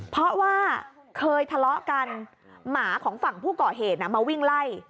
เพราะว่าเคยทะเลาะกันหมาของฝั่งผู้ก่อเหตุมาวิ่งไล่